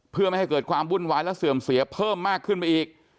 เพื่อไม่ให้เกิดความวุ่นวายและเสื่อมเสียเพิ่มมากขึ้นไปอีก